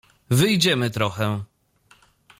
— Wyjdziemy trochę.